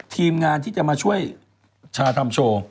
ทีมงานที่จะมาช่วยชาทำโชว์